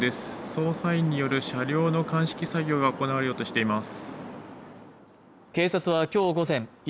捜査員による車両の鑑識作業が行われようとしています